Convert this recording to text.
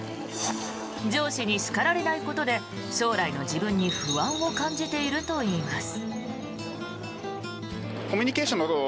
上司に叱られないことで将来の自分に不安を感じているといいます。